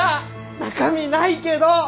中身ないけど！